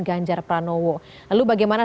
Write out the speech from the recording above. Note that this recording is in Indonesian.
ganjar pranowo lalu bagaimana